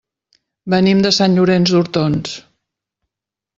Venim de Sant Llorenç d'Hortons.